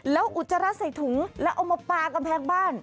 แล้วอุจจาระใส่ถุงแล้วเอามาปลากำแพงบ้าน